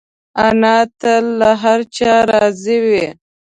انا تل له هر چا راضي وي